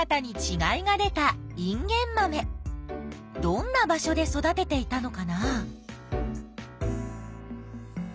どんな場所で育てていたのかな？